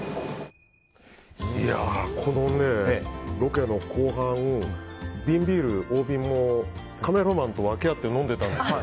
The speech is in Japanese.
このロケの後半瓶ビール大瓶もカメラマンと分け合って飲んでたんですけど